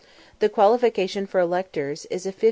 The qualification for electors is a 50_l.